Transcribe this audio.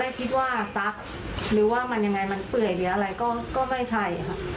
แต่ว่าซักหรือว่ามันจะเปื่อยหรืออะไรก็ไม่ใช่ค่ะ